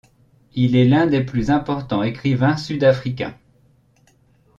Il est l'un des plus importants écrivains sud-africains.